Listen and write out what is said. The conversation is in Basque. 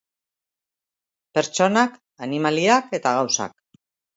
Pertsonak, animaliak eta gauzak.